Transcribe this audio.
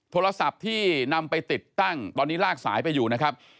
โทรศัพท์ที่นำไปติดตั้งตอนนี้ลากสายไปอยู่นะครับ